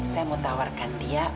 saya mau tawarkan dia